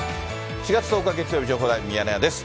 ４月１０日月曜日、情報ライブミヤネ屋です。